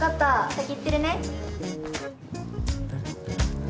先行ってるね。